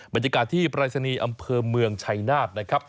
บรรยากาศที่ปรายศนีย์อำเภอเมืองชัยนาธนะครับ